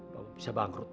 bapak bisa bangkrut bu